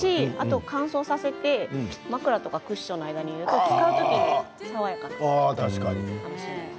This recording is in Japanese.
乾燥させて枕とかクッションの間に入れると爽やかな香りがします。